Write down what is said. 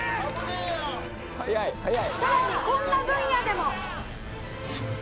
「さらにこんな分野でも」